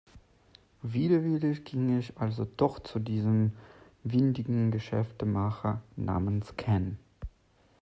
Widerwillig ging ich also doch zu diesem windigen Geschäftemacher namens Ken.